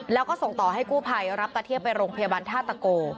แล้วก็ส่งต่อให้กู้ภัยรับตาเทียบไปโรงพยาบาลท่าตะโก